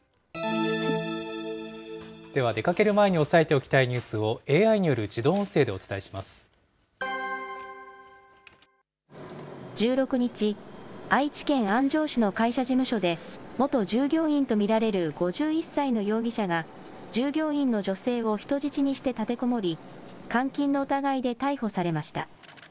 では出かける前に押さえておきたいニュースをＡＩによる自動１６日、愛知県安城市の会社事務所で、元従業員と見られる５１歳の容疑者が、従業員の女性を人質にして立てこもり、監禁の疑いで逮捕されました。